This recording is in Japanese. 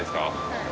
はい。